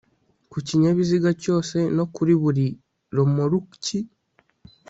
ku kinyabiziga cyose no kuri buri romoruki